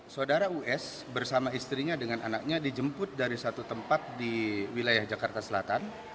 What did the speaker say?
saudara us bersama istrinya dengan anaknya dijemput dari satu tempat di wilayah jakarta selatan